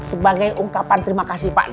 sebagai ungkapan terima kasih pak